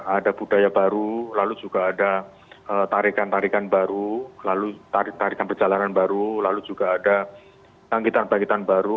ada budaya baru lalu juga ada tarikan tarikan baru lalu tarian tarikan perjalanan baru lalu juga ada tangkitan bangkitan baru